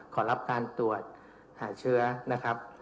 ขอรับการตรวจหาเชื้อนะครับ